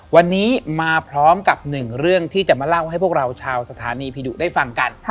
วันนี้มาพร้อมกับหนึ่งเรื่องที่จะมาเล่าให้พวกเราชาวสถานีผีดุได้ฟังกัน